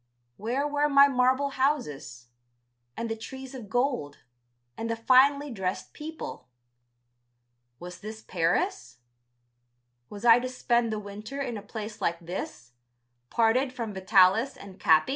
Where were my marble houses? And the trees of gold, and the finely dressed people. Was this Paris! Was I to spend the winter in a place like this, parted from Vitalis and Capi?